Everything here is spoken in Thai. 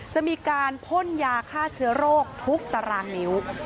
จะมีการพ่นยาฆ่าเชื้อโรคทุกตารางนิ้ว